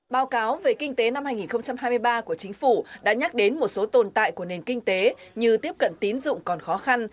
báo cáo về kinh tế năm hai nghìn hai mươi ba của chính phủ đã nhắc đến một số tồn tại của nền kinh tế như tiếp cận tín dụng còn khó khăn